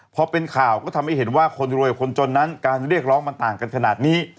พอเป็นข่าวก็ทำให้เห็นว่าคนรวยกับคนจนนั้นการเรียกร้องมันต่างกันขนาดนี้